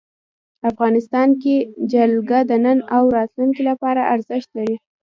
افغانستان کې جلګه د نن او راتلونکي لپاره ارزښت لري.